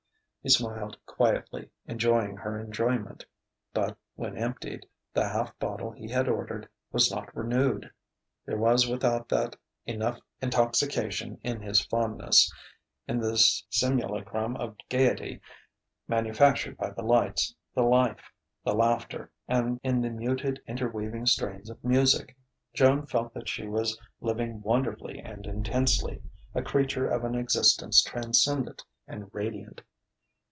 He smiled quietly, enjoying her enjoyment; but, when emptied, the half bottle he had ordered was not renewed. There was without that enough intoxication in his fondness, in the simulacrum of gaiety manufactured by the lights, the life, the laughter, and in the muted, interweaving strains of music. Joan felt that she was living wonderfully and intensely, a creature of an existence transcendent and radiant.